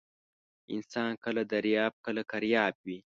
انسان کله درياب ، کله کرياب وى.